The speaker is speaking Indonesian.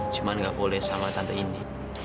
cuma gak boleh sama tante indi